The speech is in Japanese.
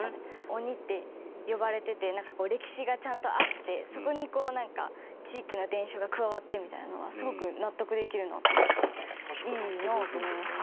鬼って呼ばれてて歴史がちゃんとあってそこになんか地域の伝承が加わってみたいなのはすごく納得できるなと思っていいなと思いました。